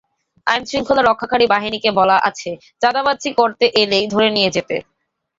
আইনশৃঙ্খলা রক্ষাকারী বাহিনীকে বলা আছে চাঁদাবাজি করতে এলেই ধরে নিয়ে যেতে।